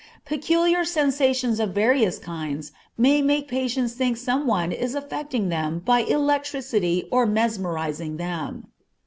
Peculiar sensations of various kinds may make patients think some one is affecting them by electricity or mesmerizing them.